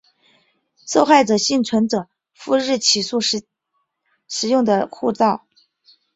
受害幸存者赴日起诉时使用的护照